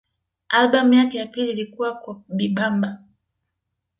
Albamu yake ya pili ilikuwa Coupe Bibamba